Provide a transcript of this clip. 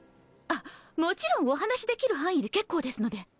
あもちろんお話しできる範囲で結構ですので。